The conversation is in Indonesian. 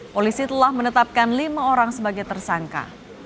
polisi telah menetapkan lima orang sebagai tersangka